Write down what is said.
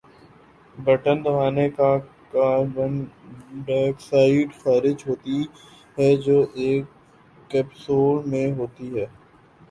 Button دبانے سے carbon dioxide خارج ہوتی ہے جو ایک کیپسول میں ہوتی ہے۔